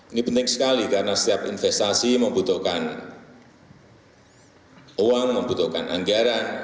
ini penting sekali karena setiap investasi membutuhkan uang membutuhkan anggaran